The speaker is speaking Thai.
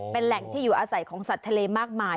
เป็นแหล่งที่อยู่อาศัยของสัตว์ทะเลมากมาย